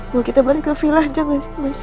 bawa kita balik ke villa jangan mas